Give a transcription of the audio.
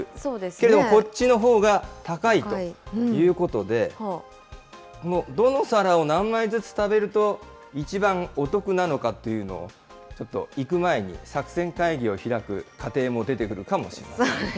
けれども、こっちのほうが高いということで、どの皿を何枚ずつ食べると一番お得なのかっていうのを、ちょっと行く前に、作戦会議を開く家庭も出てくるかもしれません。